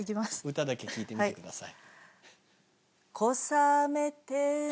歌だけ聴いてみてください。